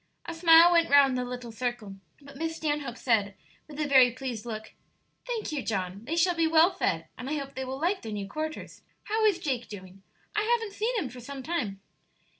A smile went round the little circle, but Miss Stanhope said, with a very pleased look, "Thank you, John; they shall be well fed, and I hope they will like their new quarters. How is Jake doing? I haven't seen him for some time."